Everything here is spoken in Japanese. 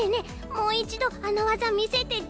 もういちどあのわざみせてち！